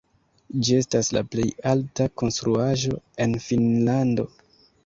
Ĝi estas la plej alta konstruaĵo en Finnlando.